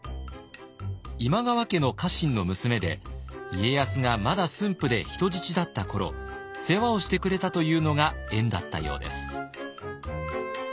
今川家の家臣の娘で家康がまだ駿府で人質だった頃世話をしてくれたというのが縁だったようです。